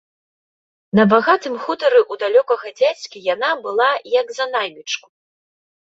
На багатым хутары ў далёкага дзядзькі яна была як за наймічку.